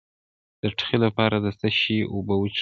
د ټوخي لپاره د څه شي اوبه وڅښم؟